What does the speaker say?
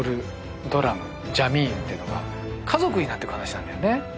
ドラムジャミーンっていうのが家族になってく話なんだよね